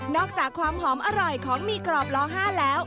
อกจากความหอมอร่อยของมีกรอบล้อ๕แล้ว